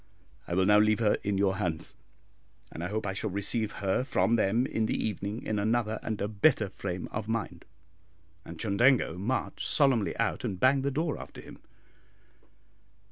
I will now leave her in your hands, and I hope I shall receive her from them in the evening in another and a better frame of mind;" and Chundango marched solemnly out and banged the door after him.